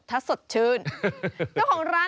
ถ้าสดชื่นเจ้าของร้าน